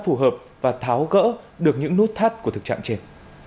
phù hợp và tháo gỡ được những nút thắt của thực trạng trên